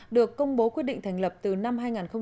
được công bố quyết định thành lập từ năm hai nghìn tám